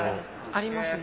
ありますね。